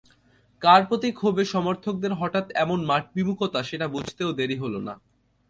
কার প্রতি ক্ষোভে সমর্থকদের হঠাৎ এমন মাঠবিমুখতা সেটা বুঝতেও দেরি হলো না।